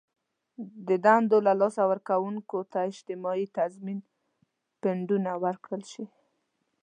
د دندو له لاسه ورکوونکو ته اجتماعي تضمین فنډونه ورکړل شي.